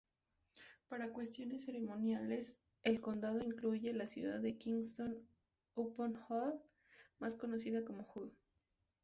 Para cuestiones ceremoniales, el condado incluye la ciudad de Kingston-upon-Hull, más conocida como Hull.